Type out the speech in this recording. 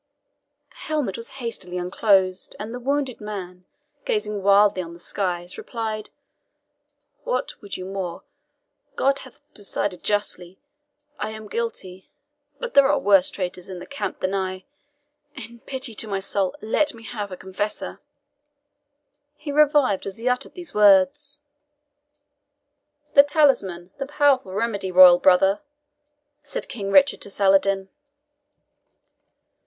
The helmet was hastily unclosed, and the wounded man, gazing wildly on the skies, replied, "What would you more? God hath decided justly I am guilty; but there are worse traitors in the camp than I. In pity to my soul, let me have a confessor!" He revived as he uttered these words. "The talisman the powerful remedy, royal brother!" said King Richard to Saladin.